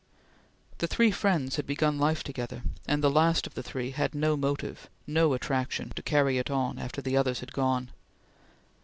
The three friends had begun life together; and the last of the three had no motive no attraction to carry it on after the others had gone.